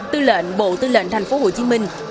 tư lệnh bộ tư lệnh tp hcm